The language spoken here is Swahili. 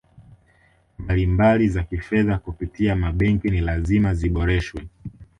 mbalimbali za Kifedha kupitia mabenki ni lazima ziboreshwe